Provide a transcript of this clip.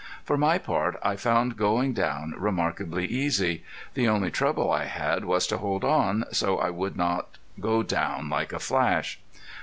For my part I found going down remarkably easy. The only trouble I had was to hold on, so I would not go down like a flash.